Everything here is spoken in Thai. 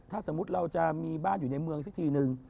ถ้าสมมุติเราจะมีบ้านอยู่ในเมืองสักทีนึง